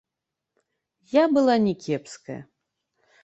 Я была не кепская.